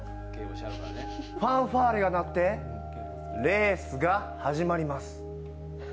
ファンファーレが鳴ってレースが始まります。